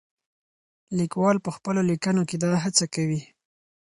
لیکوال په خپلو لیکنو کې دا هڅه کوي.